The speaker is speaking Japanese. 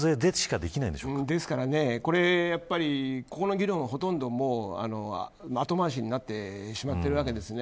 ですからここの議論は、ほとんど後回しになってしまっているわけですね。